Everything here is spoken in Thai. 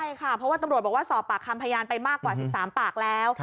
ใช่ค่ะเพราะว่าตำรวจบอกว่าสอบปากคำพยานไปมากกว่า๑๓ปากแล้ว